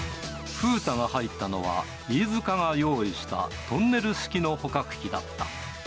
ふうたが入ったのは、飯塚が用意したトンネル式の捕獲器だった。